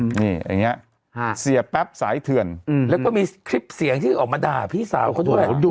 อย่างนี้เสียแป๊บสายเถื่อนแล้วก็มีคลิปเสียงที่ออกมาด่าพี่สาวเขาด้วย